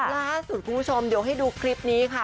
ล่าสุดคุณผู้ชมเดี๋ยวให้ดูคลิปนี้ค่ะ